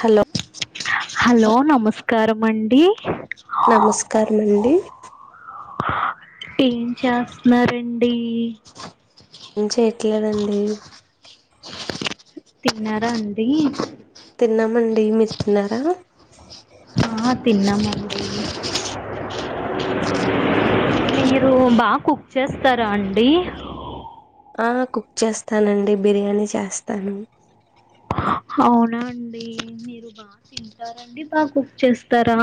Hello hello నమస్కారం అండి ఆ నమస్కారం అండి ఏం చేస్తున్నారండి ఏం చేయట్లేదండి తన్నారా అండి తిన్నామండి మీరు తిన్నారా ఆ తిన్నామండి మీరు బాగా కుక్ చేస్తారా అండి ఆ కుక్ చేస్తానండి బిర్యానీ చేస్తాను అవునా అండి మీరు బాగా తింటారండి బాగా కుక్ చేస్తారా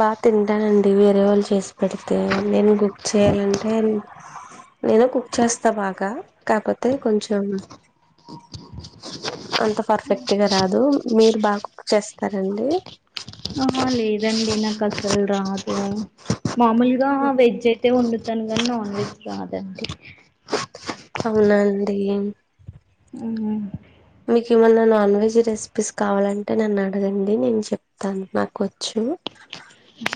బాగా తింటానండి వేరే వాళ్ళు చేసి పెడితే నేను బుక్ చేయాలంటే నేనె కుక్ చేస్తా బాగా కాకపోతే కొంచెం అంత పర్ఫెక్ట్గా రాదు మీరు బాగా కుక్ చేస్తారండి ఆ లేదండి నాకు అసలు రాదు మామూలుగా వెజ్ అయితే ఒండు తనుకనీ నాన్ వెజ్ రాదండి అవునా అండి ఆవునా మీకు ఏమన్నా నాన్ వెజ్ రెసిపీస్ కావాలంటే నన్న అడగండి నేను చెప్తాను నాకు వచ్చు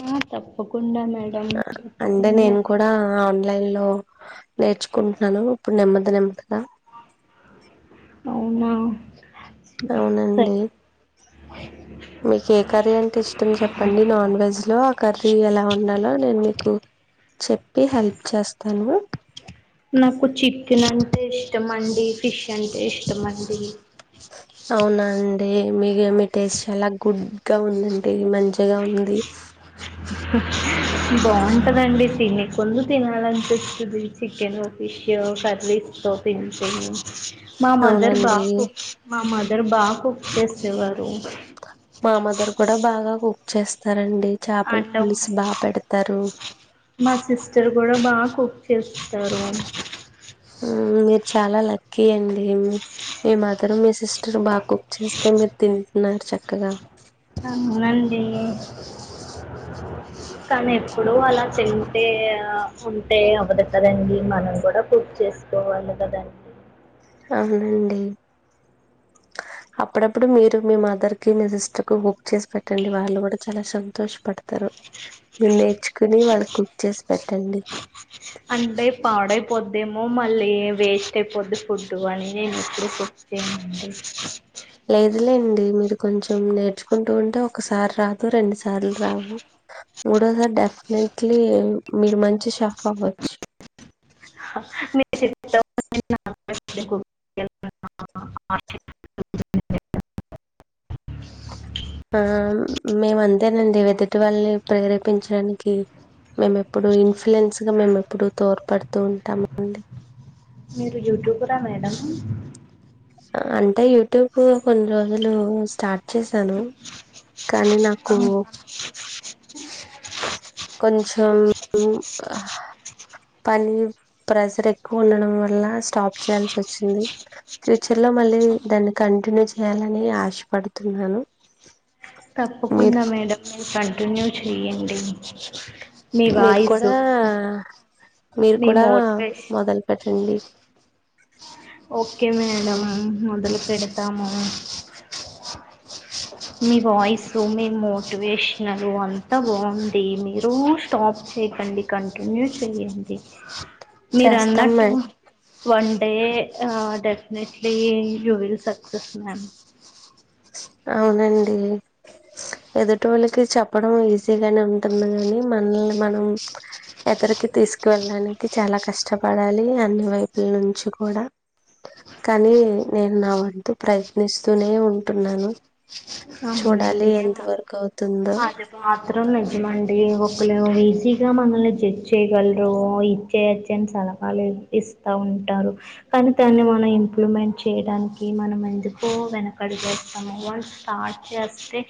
ఆ తప్పకుండా మేడం అంటే తప్పకుండా నేను కూడా అన్ లైన్ లో నేర్చుకుంటున్నాను ఇప్పుడు నెమ్మది నెమ్మదిగా అవునా అవునండి సరే మీకు ఏ కర్రీ అంటే ఇష్టం చెప్పండి నాన్ వెజ్ లో ఆ కర్రీ ఎలా వండాలో నేను మీ కు చెప్పి హెల్ప్ చేస్తాను నాకు చిక్కలన్ ఇష్టమండి ఫిష్ అంటే ఇష్టమండి అవునా అండి మీగ మీ టేస్ట్ చాలా గుడ్ గా ఉందండి మంచిగా ఉంది బాగుంటందండి తిన కొందు తినాలనిపిస్తది చికెను ఫిష్ క్యో ఒకసారి తీస్కో పిం తిన్ మా మదర్ అవునండి బాగా కుక్ మా మదర్ బాగా కుక్ చేసేవారు మామదర్ కూడా బాగా కుక్ చేస్తారం అండవు మా సిస్టర్ కూడా బాగా కు చేస్తారు అం ఊ మీరు చాలా లక్కీ అండి మీ మదర్ మీ సిస్టర్ బాగా కుక్ చేస్తే మీరు తిన్ టున్నారు చక్కగా ఊ నన్ జేయానీ కానీ ఎప్పుడు అలా తింటే ఉంటే అవ్వదు కదండి మనం కూడా కుక్ చేసుకోవాలి కదండీ అవునండి అప్పుడప్పుడు మీరు మీ మదర్ కి మీ సిస్టర్ కు బుక్ చేసి పెట్టండి వాళ్ళు కూడా చాలా సంతోషపడతారు మీరు నేర్చుకుని వాళ్ళు కుక్ చేసి పెట్టండి అంటే పాడైపోదమో మళ్ళీ వేస్ట్ అయిపోద్ది ఫుడ్డు అని నేను ఎప్పుడు ఫుడ్ చేయనండి లేదులేండి మీరు కొంచెం నేర్చుకుంటూ ఉంటే ఒకసారి రాదు రెండు సార్లు రావు మూడో సారి డెఫినెట్లీ మీరు మంచి షాఫ్ అవ్వచ్చు ఆ మేము అంతేనండి ఎదుటి వాళ్ళని ప్రేరేపించడానికి మేము ఎప్పుడు ఇన్ఫ్లుయెన్స్గా మేము ఎప్పుడు తోడ్పడుతూ ఉంటామండి మీరు యూట్యూబ్ రా మేడం అంటే యూట్యూబ్ కూ కొన్ని రోజులు స్టార్ట్ చేసాను కానీ నాకు అ కొంచెం పని ప్రెజర్ ఎక్కువ ఉండడం వల్ల స్టాప్ చేయాల్సి వచ్చింది ఫ్యూచర్ లో మళ్ళీ మళ్ళీ దాన్ని కంటిన్యూ చేయాలని ఆశపడుతున్నాను మీరు తప్పకుండా మేడం మీర్ కంటిన్యూ చెయ్యండి మీ మీరు కూడా వాయిసు మీరు మీ కూడా మోటివేషన్ మొదలు పెట్టండి ఓకే మేడం మొదలుపెడదాము మీ వాయిస్ మీ మోటివేషనల్ అంతా బాగుంది మీరు స్టాప్ చేయకండి కంటిన్యూ చేయండి మీరు చేస్తాం మ అన్నట్టు one [unintelligible] definitely you will success ma'am అవునండి ఎదుటి వాళ్ళకి చెప్పడం ఈజీగానే ఉంటుంది గానీ మనల్ని మనం ఎక్కడికి తీసుకువెళ్ళడానికి చాలా కష్టపడాలి అన్ని వైపుల నుంచి కూడా కానీ నేను నా వంతు ప్రయత్నిస్తూనే ఉంటున్నాను చూడాలి అవునండి ఎంత వరకు అవుతుందో అది మాత్రం ని జమండి ఒకళ్ళు ఈజీగా మనల్ని జడ్జ్ చేయకూడదు. ఇది చేయ్ అది చెయ్ అని సలహ లే ఇస్తా ఉంటారు కానీ దాన్ని మనం ఇంప్రూవ్మెంట్ చేయడానికి మనం ఎందుకో వెన కాడుతాము వన్ స్టార్ట్ చేస్తే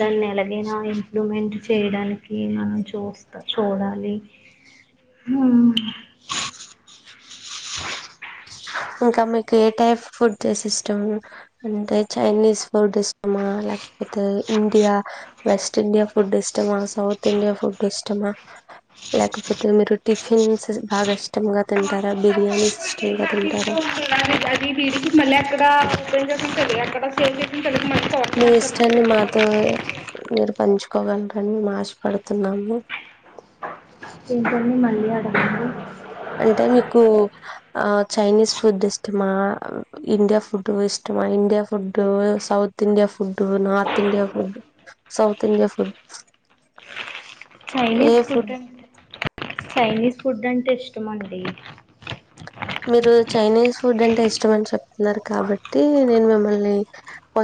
దాన్ని ఎలాగైనా ఇంప్రూవ్మెంట్ చేయడానికి మనం చూస్త చూడాలి ఇంకా మీకు ఏ టైపు ఫుడ్డీస్ ఇష్టం అంటే చైనీస్ ఫుడ్ ఇష్టమా లే కపోతే ఇండియా వెస్ట్ ఇండియా ఫుడ్ ఇష్టమా సౌత్ ఇడియా ఫుడ్ ఇష్టమా లేకపోతే మీరు టిఫిన్స్ బాగా ఇష్టం గా తింటారా బిర్యానీస్ ఇష్టంగా తింటారా [inaudible] ఎక్కడ [inaudible] మీ ఇష్టాన్ని మాతో మీరు పంచుకోగలరని మా ఆశపడుతున్నాము మేము ఏంటని మళ్ళీ అడగరా అంటే మీకు చైనీస్ ఫుడ్ ఇష్టమా ఇండియా ఫుడ్ ఇష్టమా India food, south India food, north India food south India food Chinese food అంటే చైనీస్ ఫుడ్ అంటే ఇష్టం అండి మీరు చైనీస్ ఫుడ్ అంటే ఇష్టం అని చెప్తున్నారు కాబట్టి నేను మిమ్మల్ని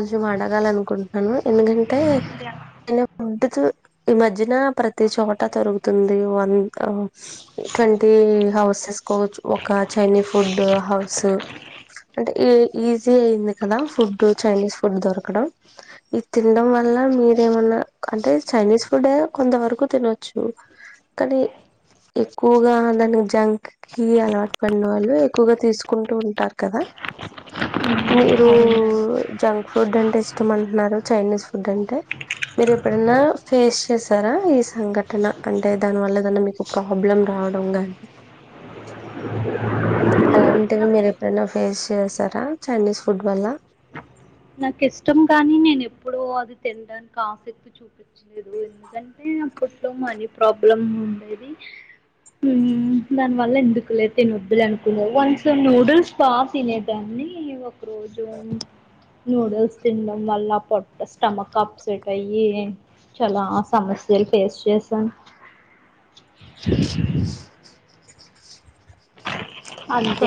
ేను అడగా అనుకుంటున్నాను ఎందుకంటే యా [inaudible] ఈ మధ్యన ప్రతి చోట దొరుకుతుంది వన్ [inaudible] కంటే హౌస్ వేసుకోవచ్చు ఒక చైనీ ఫుడ్ హౌస్ అంటే ఈజీ అయింది కదా ఫుడ్ చైనీస్ ఫుడ్ దొరకడం ఇది తినడం వల్ల మీరేమన్నా అంటే చైనీస్ ఫుడ్ కొంత వరకు తినొచ్చు కానీ ఎక్కువగా దాని జంక్ కి అలవాటు పడినవాళ్ళు ఎక్కువగా తీసుకుంటూ ఉంటారు కదా అ మీరు జంక్ ఫుడ్ అంటే ఇష్టం అంటున్నారు చైనీస్ ఫుడ్ అంటే మీరు ఎప్పుడైనా ఫేస్ చేసారా ఈ సంఘటన అంటే దాని వల్ల ఏదన్నా మీకు ప్రాబ్లం రావడం గానీ అలాంటివి మీరు ఎప్పుడైనా ఫేస్ చేసారా చైనీస్ ఫుడ్ వల్ల నాకు ఇష్టం కాని నేను ఎప్పుడు అది తినడానికి ఆసక్తి చూపించలేదు ఎందుకంటే అప్పట్లో మనీ ప్రాబ్లమ్ ఉండేది దానివల్ల ఎందుకులే తినొద్దులే అనుకున్నారు వన్ సమ్ నూడిల్స్ బా తినేదాన్ని తిని ఒకరోజు నూడిల్స్ తినడం వల్ల పొట్ట స్టమక్ అప్సెట్ అయ్యి చాలా సమస్యలు ఫేస్ చేసాను చే [unintelligible]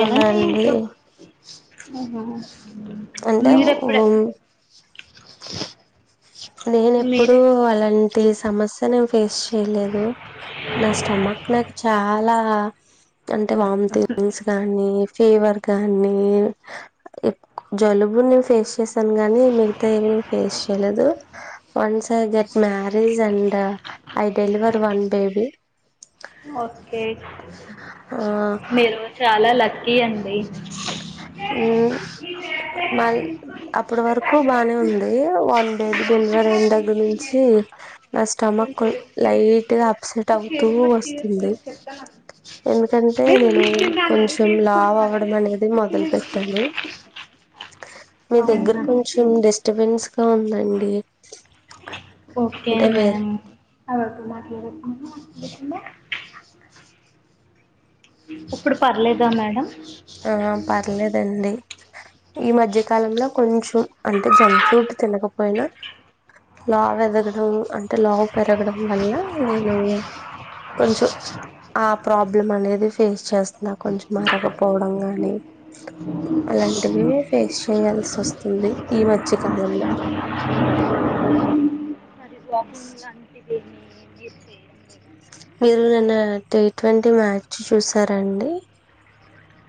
అవునా అండి ఇంకా [unintelligible] అంటే మీరేప్పుడే నేను ఎప్పుడు మీరే అలాంటి సమస్య నేను ఫేస్ చేయలేదు నా స్టమక్ నాకు చాలా అంటే వామిటింగ్స్ గానీ ఫీవర్ గానీ జలుబు నేను ఫేస్ చేసాను గాని మిగతా ఏమ ఫేస్ చేయలేదు once I get marriage and I deliver one baby okay ఆ మీరు చాలా లక్కీ అండి హ్మ్ మళ్లీ అప్పుడు వరకు బానే ఉంది వన్ బేబీ డెలివర్ అయిన దగ్గర నుంచి ఈ నా దాని స్టమక్ పేరు లైట్ గా అప్సెట్ శిరీష్ అవుతూ షేడ్ మరి వస్తుంది తీసుకుని చెప్తాను ఎందుకంటే నేను దాన్ని అడిగి కొంచెం లావ్ తీసుకున్నాను అవడం అనేది మొదలు పెట్టాను మీ దగ్గర అవునా కొంచెం డిస్టబెన్స్ గా ఉందండి ఓకే అంటే వేరు మ్యామ్ అ ఒక మాట్లా [unintelligible] ఇప్పుడు పర్లేదా మేడం ఆ పర్లేదండి ఈ మధ్యకాలంలో కొంచెం అంటే జంక్ ఫుడ్ తినకపోయినా లావు ఎదగడం అంటే లావు పెరగడం వల్ల నేను కొంచెం ఆ ప్రాబ్లం అనేది ఫేస్ చేస్తున్నా కొంచెం మరగ పోవడం గాని అలాంటివి ఫేస్ చేయాల్సి వస్తా ఉంది ఈ మధ్య కాలంలో వంగ్ అ [unintelligible] మీరు నిన్న టీ ట్వంటీ మ్యాచ్ చూసారండి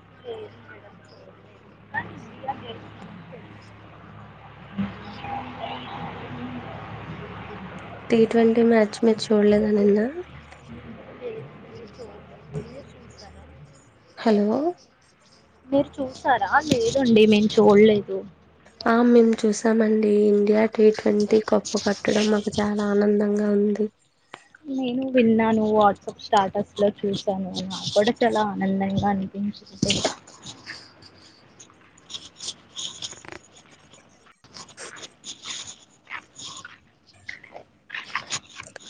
మేడం చూడలేదు కానీ India gate T twenty match మీరు చూడలేదా నిన్న లేదు మీరు చూడలేదు మీరు చూసారా హలో మీరు చూసారా లేదండి మేము చూడలేదు ఆ మేము చూసామండి ఇండియా టీ ట్వంటీ కప్పు కోట్టడం మాకు చాలా ఆనందంగా ఉంది నేను విన్నాను వాట్సాప్ స్టాటస్ లో చూసాను కూడా నాకు కూడా చాల అనందంగా అనిపించింది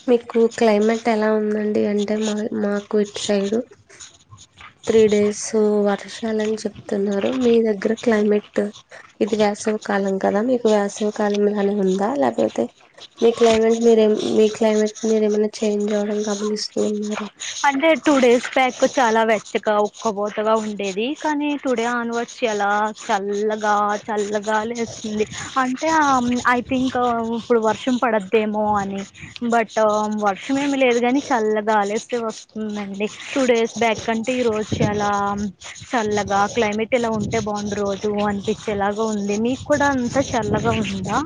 మీకు క్లైమేట్ ఎలా ఉందండి అంటే మా మాకు ఇటు సైడ్ త్రీ డేస్ వర్షాలని చెప్తున్నారు మీ దగ్గర క్లైమేట్ ఇది వేసవి కాలం కద మీకు వేసవి కాలం లానే ఉందా లేక పోతే మీ క్లైమేట్ మీరే మీ క్లైమేట్ మీరేమన్నా చేంజ్ అవ్వడం గమనిస్తూ ఉన్నారా అంటే టూ డేస్ బ్యాక్ చాలా వెచ్చగా ఉక్కపోతగా ఉండేది కానీ టూ డే ఆన్ వర్డ్ చాలా చల్లగా చల్లగాలేస్తుంది అంటే ఐ థింక్ ఇప్పుడు వర్షం పడద్దేమో అని బట్ వర్షం ఏమి లేదు కాని చల్లగాలేస్తే వ అండి టూ డేస్ బ్యాక్ కంటే ఈ రోజు చాలా చల్లగా క్లైమేట్ ఇలా ఉంటే బాం రోజు అనిపించేలాగా ఉంది మీకు కూడా అంతా చల్లగా ఉందా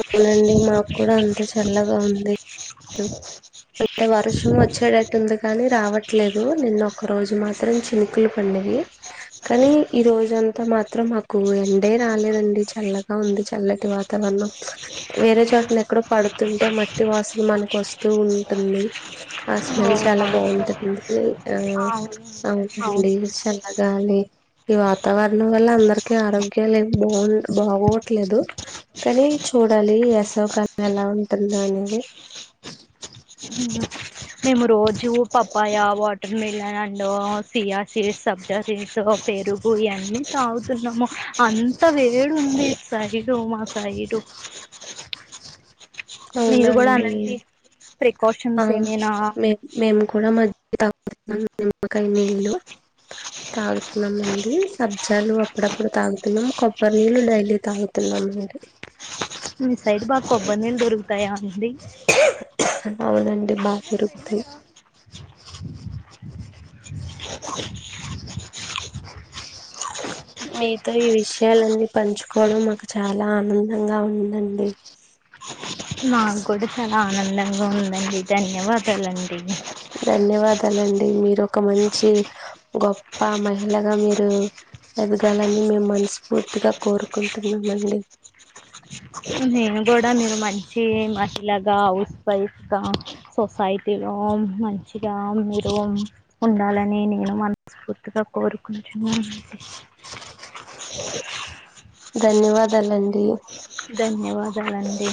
అవునండి మాకు కూడా అంతే చల్లగా ఉంది అంటే వర్షం వచ్చేటట్టుంది కానీ రావట్లేదు నిన్న ఒక రోజు మాత్రం చినుకులు పడినవి కానీ ఈ రోజు అంత అంత మాత్రం మాకు ఎండే రాలేదండి చల్లగా ఉంది చల్లటి వాతావరణం వేరే చోటుని ఎక్కడో పడుతుంటే మట్టి వాసన మనకు వస్తూ ఉంటుంది ఆ స్మెల్ అవునా చాలా బాగుంటుంది ఆ అవును అవునండి అవును చల్లగాలి ఈ వాతావరణం వల్ల అందరికి ఆరోగ్యాలు ఏమి బాగు బాగోవట్లేదు కానీ చూడాలి వేసవ కాలం ఎలా ఉంటుంది అనేది మ్మ్మ్మ్ మేము రోజు పప్పాయ వాటర్ మిలన్ అండ్ సియాసీస్ సబ్జాసీడ్స్ పెరుగు ఇయన్నీ తాగుతున్నాము అంత వేడు ఉంది సైడు మా సైడు మీరు కూడా అవునండి అలాంటి ఆ ప్రికాషన్స్ ఏమైనా మే మేము కూడా మధ్య [unintelligible] నిమ్మకాయ నీళ్ళు తాగుతున్నాం అండి సబ్జాలు అప్పుడప్పుడు తాగుతున్నాం కొబ్బరి నీళ్ళలు డైలీ తాగుతున్నాము అవునండి మీ సైడ్ బా కొబ్బరి నీళ్లు దొరుకుతాయా అండి అవునండి బా దొరుకుతాయి మీతో ఈ విషయాలన్నీ పంచుకోవడం మాకు చాలా ఆనందంగా ఉందండి నాకు కూడా చాలా ఆనందంగా ఉందండి ధన్యవాదాలండి ధన్యవాదాలండి మీరు ఒక మంచి గొప్ప మహిళగా మీరు ఎదగాలని మేము మనస్ఫూర్తిగా కోరుకుంటున్నామండి నేను కూడా మీరు మంచి మహిళగా హౌస్ వైఫ్గా సొసైటీలో మంచిగా మీరు ఉండాలని నేను మనస్ఫూర్తిగా కోరుకుంటున్నాను మ్మ్మ్మ్ ధన్యవాదాలండి ధన్యవాదాలండి